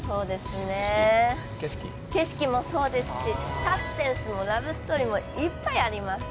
景色もそうですし、サスペンスもラブストーリーもいっぱいあります。